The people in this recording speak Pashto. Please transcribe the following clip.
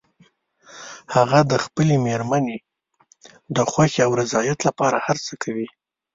هغه د خپلې مېرمنې د خوښې او رضایت لپاره هر څه کوي